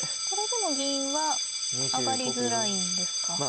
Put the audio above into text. これでも銀は上がりづらいんですか。